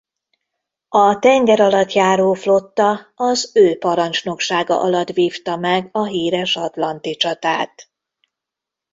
A tengeralattjáró-flotta az ő parancsnoksága alatt vívta meg a híres Atlanti csatát.